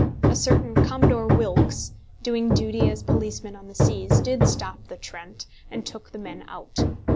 A certain Commodore Wilkes, doing duty as policeman on the seas, did stop the "Trent," and took the men out.